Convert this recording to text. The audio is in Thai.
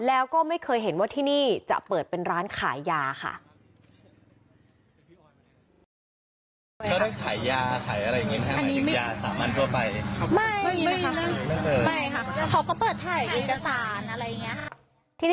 แล้วก็ไม่เคยเห็นว่าที่นี่จะเปิดเป็นร้านขายยาค่ะ